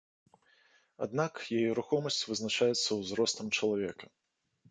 Аднак, яе рухомасць вызначаецца ўзростам чалавека.